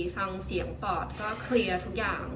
ฟังเสียงปอดก็เคลียร์ทุกอย่าง